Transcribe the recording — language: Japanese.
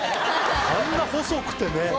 あんな細くてね。